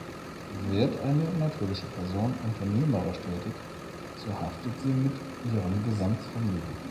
Wird eine natürliche Person unternehmerisch tätig, so haftet sie mit ihrem Gesamtvermögen.